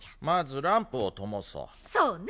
まずランプをともそう。